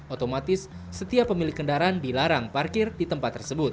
otomatis setiap pemilik kendaraan dilarang parkir di tempat tersebut